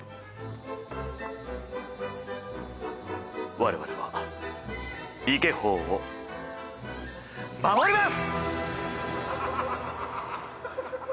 我々はイケ法を守ります！